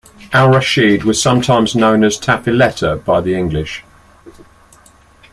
Al-Rashid was sometimes known as "Tafiletta" by the English.